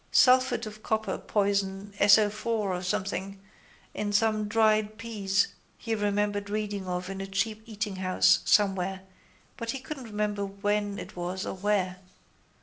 Sulphate of copper poison SO4 or something in some dried peas he remembered reading of in a cheap eatinghouse somewhere but he couldn't remember when it was or where.